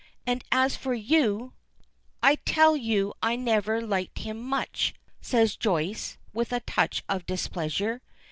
And as for you " "I tell you I never liked him much," says Joyce, with a touch of displeasure.